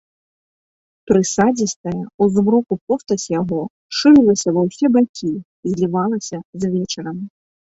Прысадзістая ў змроку постаць яго шырылася ва ўсе бакі і злівалася з вечарам.